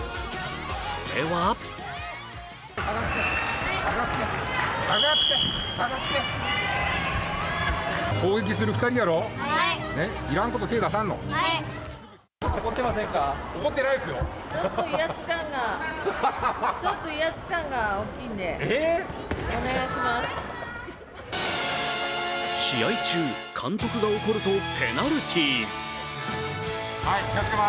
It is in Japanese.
それは試合中、監督が怒るとペナルティー。